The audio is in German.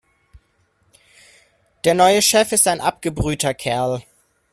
Der neue Chef ist ein abgebrühter Kerl.